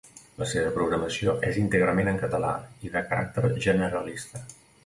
La seva programació és íntegrament en català i de caràcter generalista.